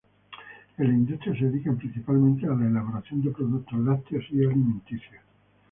En la Industria se dedican principalmente a la elaboración de productos lácteos y alimenticios.